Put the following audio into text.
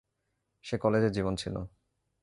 সে কলেজের জীবন ছিলো।